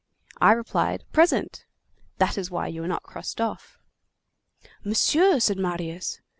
I replied: 'Present!' This is why you were not crossed off." "Monsieur!—" said Marius.